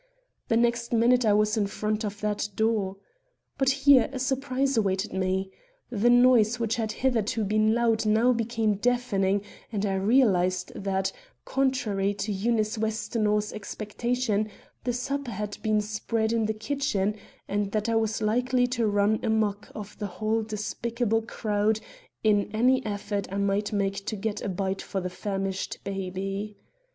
The next minute I was in front of that door. But here a surprise awaited me. The noise which had hitherto been loud now became deafening, and I realized that, contrary to Eunice Westonhaugh's expectation, the supper had been spread in the kitchen and that I was likely to run amuck of the whole despicable crowd in any effort I might make to get a bite for the famished baby.